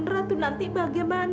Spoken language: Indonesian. ratu nanti bagaimana